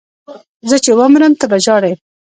زه چې ومرم ته به ژاړې